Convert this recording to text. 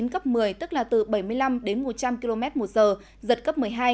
cấp một mươi tức là từ bảy mươi năm đến một trăm linh km một giờ giật cấp một mươi hai